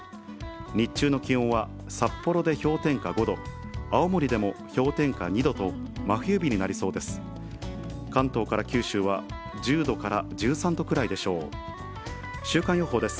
日中の気温は札幌で氷点下５度、青森でも氷点下２度と、真冬日になりそうです。